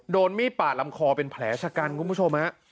โดนมีดปาดลำคอเป็นแผลชะกันคุณผู้ชมฮะ